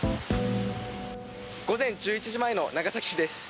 午前１１時前の長崎市です。